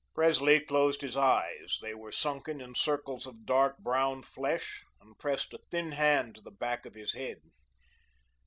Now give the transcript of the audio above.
Presley closed his eyes they were sunken in circles of dark brown flesh and pressed a thin hand to the back of his head.